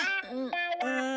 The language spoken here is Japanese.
うん。